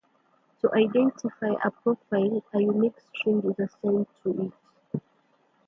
To identify a profile a unique string is assigned to it.